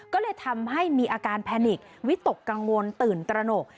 ก็เลยทำให้มีอาการแพนิกวิตกกังวลตื่นตระหนก